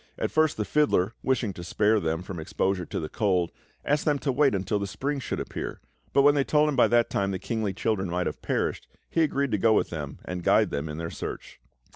At first the fiddler, wishing to spare them from exposure to the cold, asked them to wait until the spring should appear; but when they told him that by that time the kingly children might have perished, he agreed to go with them and guide them in their search.